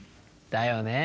だよね。